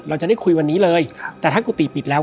เราจะได้คุยวันนี้เลยแต่ถ้ากุฏิปิดแล้ว